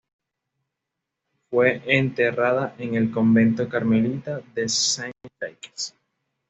Fue enterrada en el convento carmelita de Saint-Jacques.